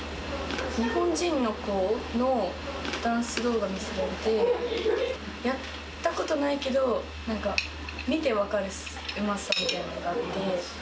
日本人の子のダンス動画見せられて、やったことないけど、なんか、見て分かるうまさみたいなのがあって。